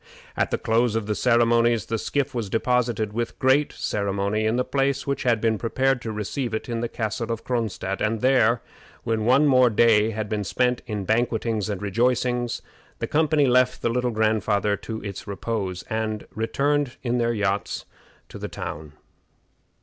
At the close of the ceremonies the skiff was deposited with great ceremony in the place which had been prepared to receive it in the Castle of Cronstadt, and there, when one more day had been spent in banquetings and rejoicings, the company left the Little Grandfather to his repose, and returned in their yachts to the town.